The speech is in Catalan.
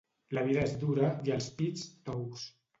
La vida és dura i els pits, tous.